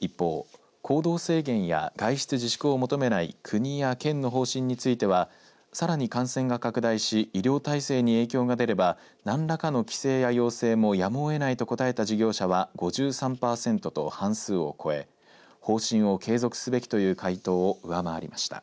一方、行動制限や外出自粛を求めない国や県の方針についてはさらに感染が拡大し医療体制に影響が出れば何らかの規制や要請もやむをえないと答えた事業者は５３パーセントと半数を超え方針を継続すべきという回答を上回りました。